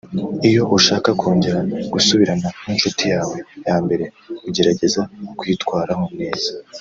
Iyo ushaka kongera gusubirana n’inshuti yawe yambere ugerageza kuyitwaraho neza